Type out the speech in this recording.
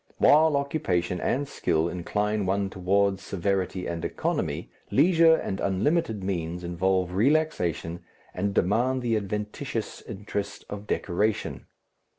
While occupation and skill incline one towards severity and economy, leisure and unlimited means involve relaxation and demand the adventitious interest of decoration.